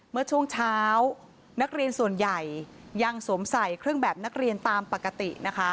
เมื่อช่วงเช้านักเรียนส่วนใหญ่ยังสวมใส่เครื่องแบบนักเรียนตามปกตินะคะ